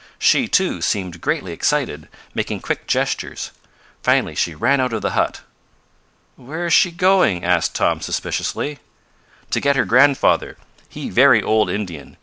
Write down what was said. She, too, seemed greatly excited, making quick gestures. Finally she ran out of the hut. "Where is she going?" asked Tom suspiciously. "To get her grandfather. He very old Indian.